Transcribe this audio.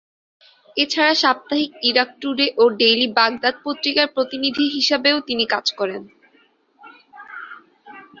এছাড়া সাপ্তাহিক Iraq today ও ডেইলি বাগদাদ পত্রিকার প্রতিনিধি হিসাবেও তিনি কাজ করেন।